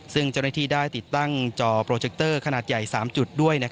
ซึ่งเจ้าหน้าที่ได้ติดตั้งจอโปรเจคเตอร์ขนาดใหญ่๓จุดด้วย